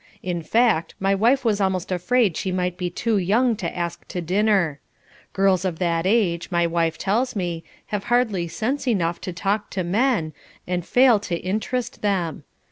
In fact, my wife was almost afraid she might be too young to ask to dinner: girls of that age, my wife tells me, have hardly sense enough to talk to men, and fail to interest them.